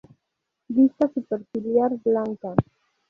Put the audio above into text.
Lista superciliar blanca.